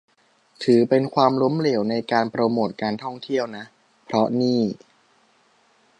ถือว่าเป็นความล้มเหลวในการโปรโมทการท่องเที่ยวนะ เพราะนี่